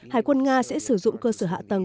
hải quân nga sẽ sử dụng cơ sở hạ tầng